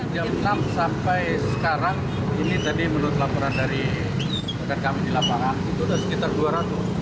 jam enam sampai sekarang ini tadi menurut laporan dari rekan kami di lapangan itu sudah sekitar dua ratus